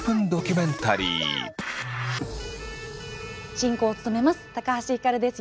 進行を務めます橋ひかるです。